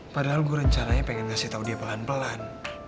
padahal gue rencananya pengen ngasih tau dia pelan pelan